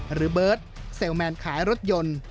หรือเบิร์ตเซลลแมนขายรถยนต์